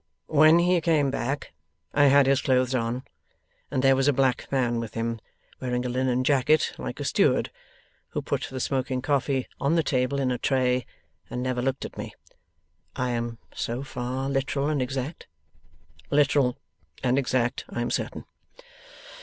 When he came back, I had his clothes on, and there was a black man with him, wearing a linen jacket, like a steward, who put the smoking coffee on the table in a tray and never looked at me. I am so far literal and exact? Literal and exact, I am certain.